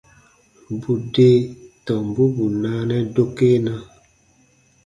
Bù de tombu bù naanɛ dokena.